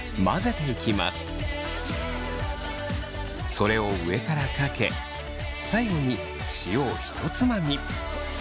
それを上からかけ最後に塩をひとつまみ。